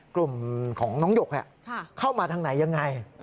กลุ่มของน้องหยกเข้ามาทางไหนยังไง